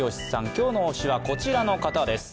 今日の推しはこちらの方です。